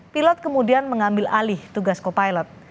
pilot kemudian mengambil alih tugas kopilot